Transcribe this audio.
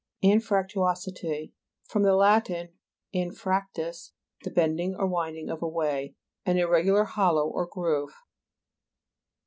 AXFRACTUO'SITY Fr. Lat. anfrac tus, the bending or winding of a way. An irregular hollow or groove.